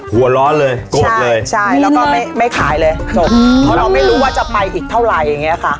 หัวร้อนเลยโกรธเลยใช่แล้วก็ไม่ไม่ขายเลยจบเพราะเราไม่รู้ว่าจะไปอีกเท่าไหร่อย่างเงี้ยค่ะ